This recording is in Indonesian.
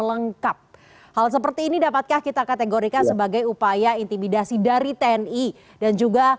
lengkap hal seperti ini dapatkah kita kategorikan sebagai upaya intimidasi dari tni dan juga